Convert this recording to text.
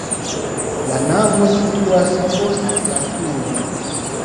La navo situas post la turo.